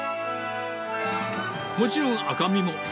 もちろん赤身も。